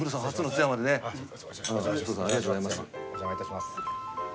お邪魔いたします。